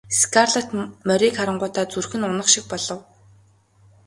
Скарлетт морийг харангуут зүрх нь унах шиг болов.